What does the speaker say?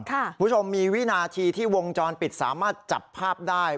คุณผู้ชมมีวินาทีที่วงจรปิดสามารถจับภาพได้